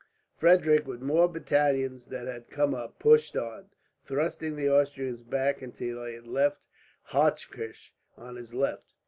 Frederick, with more battalions that had come up, pushed on; thrusting the Austrians back until he had left Hochkirch on his left.